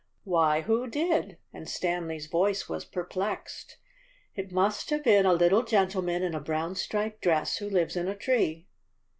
"Why, who did?" and Stanley 's voice was perplexed. "It must have been a little gentleman in a brown striped dress who lives in a tree."